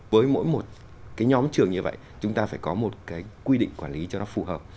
với mỗi một cái nhóm trường như vậy chúng ta phải có một cái quy định quản lý cho nó phù hợp